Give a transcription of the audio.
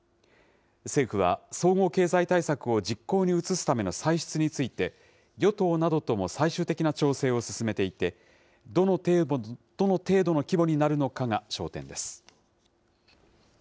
政府は総合経済対策を実行に移すための歳出について、与党などとも最終的な調整を進めていて、どの程度の規模になるのかが焦点です。